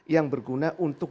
yang berguna untuk